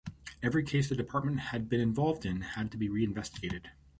Every case the department had been involved in had to be reinvestigated.